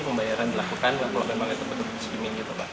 pembayaran dilakukan kalau memang itu betul betul segini